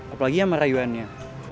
apalagi sama rayuannya